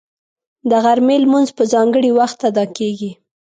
د غرمې لمونځ په ځانګړي وخت ادا کېږي